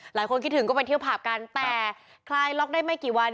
หลายคนคิดถึงก็ไปเที่ยวผับกันแต่คลายล็อกได้ไม่กี่วัน